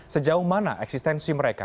sejauh mana eksistensi mereka